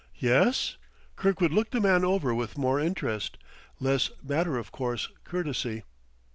"Yes?" Kirkwood looked the man over with more interest, less matter of course courtesy.